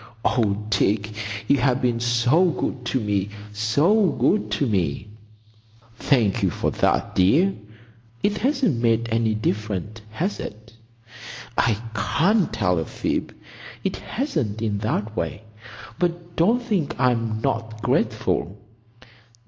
Oh, Dick, you have been so good to me!—so good to me!" "Thank you for that, dear. It hasn't made any difference, has it?" "I can't tell a fib. It hasn't—in that way. But don't think I'm not grateful."